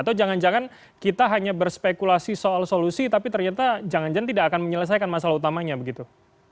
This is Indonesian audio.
atau jangan jangan kita hanya berspekulasi soal solusi tapi ternyata jangan jangan tidak akan menyelesaikan masalah utamanya begitu